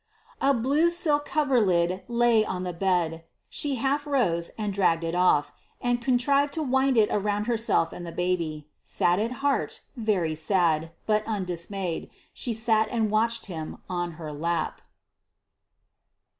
A blue silk coverlid lay on the bed: she half rose and dragged it off, and contrived to wind it around herself and the baby. Sad at heart, very sad, but undismayed, she sat and watched him on her lap.